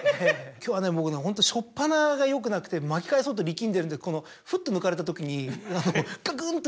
今日は僕ホント初っぱながよくなくて巻き返そうと力んでるんでこのフッと抜かれたときに何かこうカクン！と。